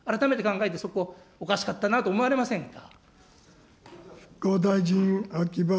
考えて、そこ、おかしかったなと思われませんか。